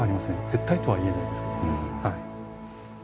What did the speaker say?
絶対とは言えないですけども。